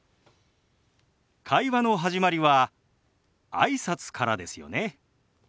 会話の始まりはあいさつからですよね。